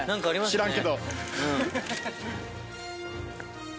知らんけど。